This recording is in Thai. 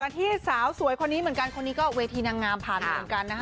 ที่สาวสวยคนนี้เหมือนกันคนนี้ก็เวทีนางงามผ่านมาเหมือนกันนะคะ